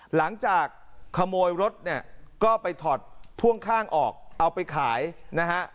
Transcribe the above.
หลังจากขโมยรถเนี่ยก็ไปถอดพ่วงข้างออกเอาไปขายนะฮะ